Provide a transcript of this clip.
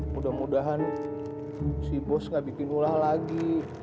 mudah mudahan si bos gak bikin ulah lagi